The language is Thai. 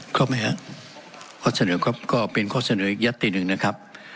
ครบไหมครับข้อเสนอก็เป็นข้อเสนออีกยัตติหนึ่งนะครับ